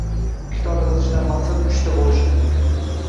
Kitob yozishdan maqsad uchta boʻlishi mumkin.